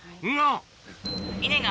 が。